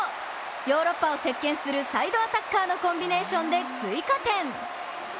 ヨーロッパを席けんするサイドアタッカーのコンビネーションで追加点。